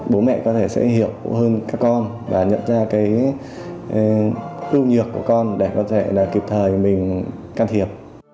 bố mẹ có thể sẽ hiểu hơn các con và nhận ra cái ưu nhược của con để có thể là kịp thời mình can thiệp